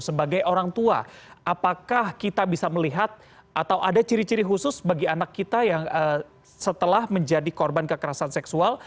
sebagai orang tua apakah kita bisa melihat atau ada ciri ciri khusus bagi anak kita yang setelah menjadi korban kekerasan seksual